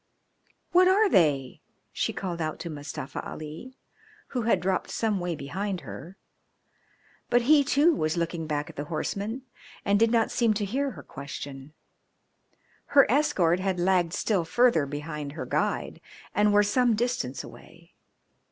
"What are they?" she called out to Mustafa Ali, who had dropped some way behind her. But he, too, was looking back at the horsemen, and did not seem to hear her question. Her escort had lagged still further behind her guide and were some distance away.